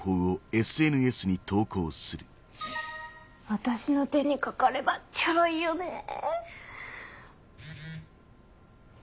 私の手にかかればちょろいよねぇ。